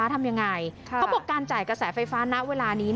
มีประชาชนในพื้นที่เขาถ่ายคลิปเอาไว้ได้ค่ะ